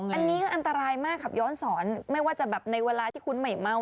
อันนี้ก็อันตรายมากขับย้อนสอนไม่ว่าจะแบบในเวลาที่คุณไม่เมา